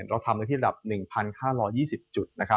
เราทำไว้ที่ระดับ๑๕๒๐จุด